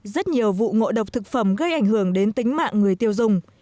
rất nhiều vụ ngộ độc thực phẩm gây ảnh hưởng đến tính mạng người tiêu dùng